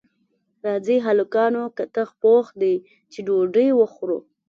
راځئ هلکانو کتغ پوخ دی چې ډوډۍ وخورو